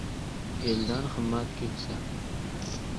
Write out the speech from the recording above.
Eldan himmat ketsa